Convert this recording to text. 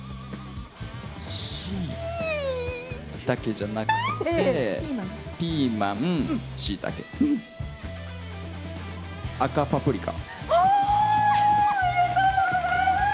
しいたけじゃなくてピーマン、しいたけ赤パプリカ。